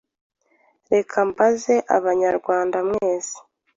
Reka mbaze abanyarwanda mwese